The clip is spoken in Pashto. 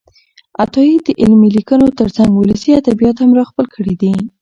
عطايي د علمي لیکنو ترڅنګ ولسي ادبیات هم راخپل کړي دي.